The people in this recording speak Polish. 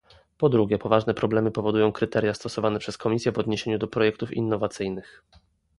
Po drugie poważne problemy powodują kryteria stosowane przez Komisję w odniesieniu do projektów innowacyjnych